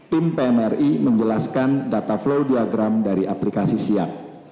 tim pmri menjelaskan data flow diagram dari aplikasi siap